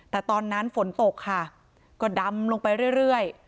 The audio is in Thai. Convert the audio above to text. แต่ตอนนั้นฝนตกค่ะก็ดำลงไปเรื่อย